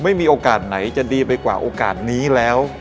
ไม่มีโอกาสไหนจะดีไปกว่าโอกาสนี้แล้ว